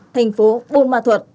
thành phố bô ma thuật